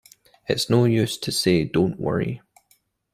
It’s no use to say don’t worry.